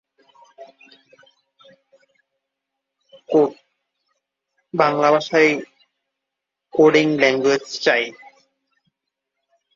এই ইউনিয়নের একটি ঝর্ণা ফটিকছড়ি খালের নামানুসারে ফটিকছড়ি উপজেলার নামকরণ হয়েছে।